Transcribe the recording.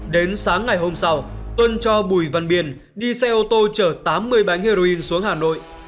đến sáng ngày hôm sau tuân cho bùi văn biên đi xe ô tô chở tám mươi bánh heroin xuống hà nội